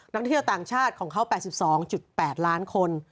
นักท่องเที่ยวต่างชาติของเขา๘๒๘ล้านคน